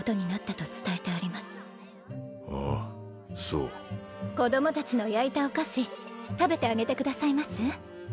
そう子供達の焼いたお菓子食べてあげてくださいます？